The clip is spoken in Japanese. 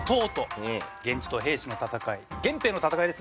源氏と平氏の戦い源平の戦いですね。